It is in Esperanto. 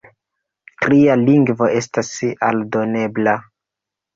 Tria lingvo estas aldonebla.